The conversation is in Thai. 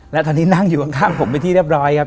และตอนนี้นั่งอยู่ข้างผมเป็นที่เรียบร้อยครับ